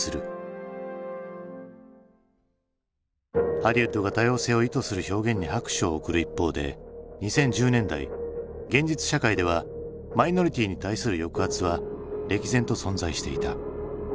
ハリウッドが多様性を意図する表現に拍手を送る一方で２０１０年代現実社会ではマイノリティーに対する抑圧は歴然と存在していた。